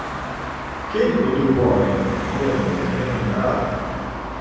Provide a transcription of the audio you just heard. — Кинь оту погань! — гримнула княгиня Рада.